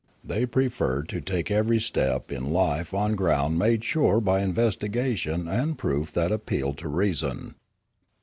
They preferred to take every step in life on ground made sure by investigation and proof that appealed to reason.